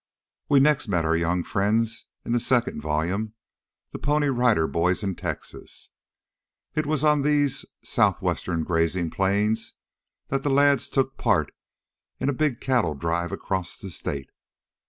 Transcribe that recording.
We next met our young friends in the second volume, "The Pony Rider Boys In Texas." It was on these south western grazing plains that the lads took part in a big cattle drive across the state.